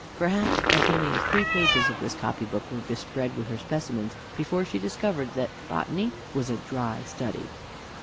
Perhaps as many as three pages of this copy book were bespread with her specimens before she discovered that botany was a dry study.